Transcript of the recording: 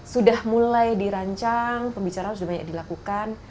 sudah mulai dirancang pembicaraan sudah banyak dilakukan